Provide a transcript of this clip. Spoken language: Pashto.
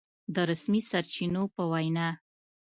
د رسمي سرچينو په وينا